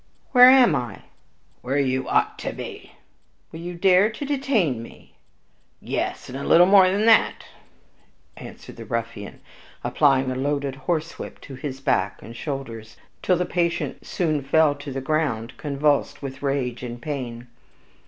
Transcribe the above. "Where am I?" "Where you ought to be." "Will you dare to detain me?" "Yes, and a little more than that," answered the ruffian, applying a loaded horsewhip to his back and shoulders, till the patient soon fell to the ground convulsed with rage and pain.